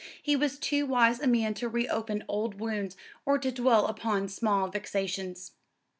He was too wise a man to reopen old wounds or to dwell upon small vexations.